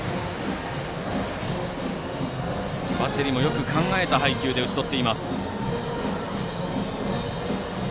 バッテリーもよく考えた配球で打ち取っています。